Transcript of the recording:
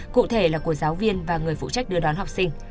cụ thể là của giáo viên và người phụ trách đưa đón học sinh